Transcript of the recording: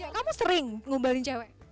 kamu sering ngombalin cewek